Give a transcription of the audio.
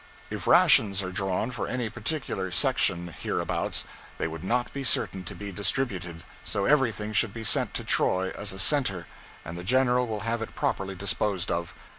If rations are drawn for any particular section hereabouts, they would not be certain to be distributed, so everything should be sent to Troy as a center, and the General will have it properly disposed of.